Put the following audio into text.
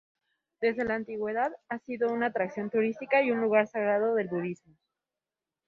Desde la antigüedad, ha sido una atracción turística y un lugar sagrado del budismo.